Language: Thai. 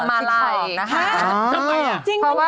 ทำไมจริง